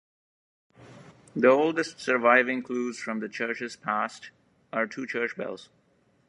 The oldest surviving clues from the church's past are two church bells.